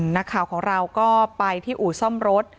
นักข่าวของเราก็ไปที่อู่ซ่อมรถ